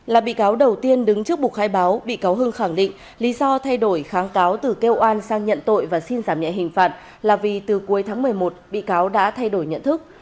là bị cáo đầu tiên đứng trước bục khai báo bị cáo hưng khẳng định lý do thay đổi kháng cáo từ kêu oan sang nhận tội và xin giảm nhẹ hình phạt là vì từ cuối tháng một mươi một bị cáo đã thay đổi nhận thức